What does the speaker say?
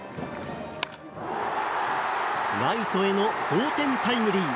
ライトへの同点タイムリー。